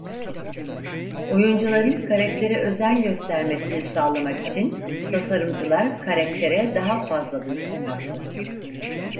Oyuncuların karaktere özen göstermesini sağlamak için tasarımcılar karaktere daha fazla duygu kattı.